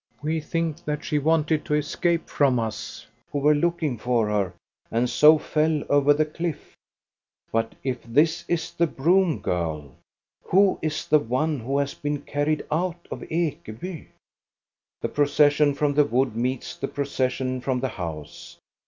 We think that she wanted to escape from us who were looking for her, and so fell over the cliff." But if this is the broom girl, who is the one who has been carried out of Ekeby } The procession from the wood meets the proces sion from the house.